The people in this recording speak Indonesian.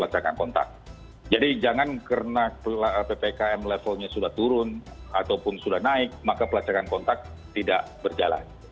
jadi jangan karena ppkm levelnya sudah turun ataupun sudah naik maka pelacakan kontak tidak berjalan